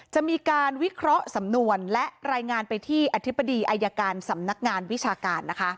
จะมีการวิเคราะห์สำนวนและรายงานไปที่อธิบดีอายการสำนักงานวิชาการ